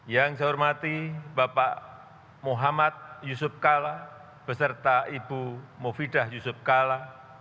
yang saya hormati bapak muhammad yusuf kalla beserta ibu mufidah yusuf kala